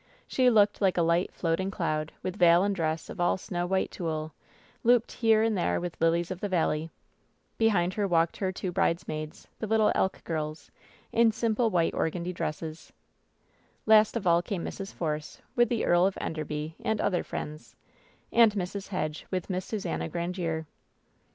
She looked like a light, floating cloud, with veil and dress all of snow white tulle, looped here and there with lilies of the valley. Behind WHEN SHADOWS DIE 286 her walked her two bridesmaids, the little Elk girls, in simple white organdie dresses. Last of all came Mrs. Force, with the Earl of En derby and other friends, and Mrs. Hedge, with Miss Susannah Grandiere.